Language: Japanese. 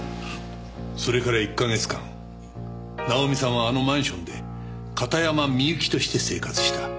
それから１か月間ナオミさんはあのマンションで片山みゆきとして生活した。